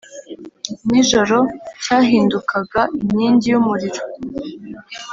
nijoro cyahindukaga inkingi y’umuriro,